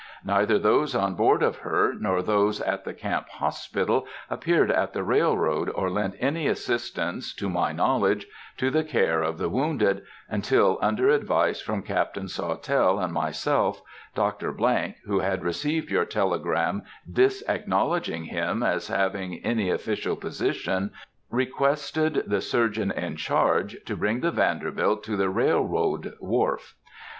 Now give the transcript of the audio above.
Neither those on board of her nor those at the camp hospital appeared at the railroad, or lent any assistance, to my knowledge, to the care of the wounded, until, under advice from Captain Sawtelle and myself, Dr. ——, who had received your telegram disacknowledging him as having any official position, requested the surgeon in charge to bring the Vanderbilt to the railroad wharf.